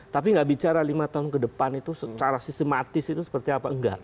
tapi nggak bicara lima tahun ke depan itu secara sistematis itu seperti apa enggak